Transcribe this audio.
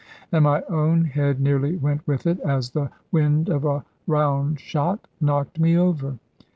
And my own head nearly went with it, as the wind of a round shot knocked me over.